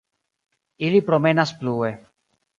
Ili promenas plue.